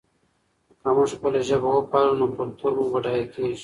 که موږ خپله ژبه وپالو نو کلتور مو بډایه کېږي.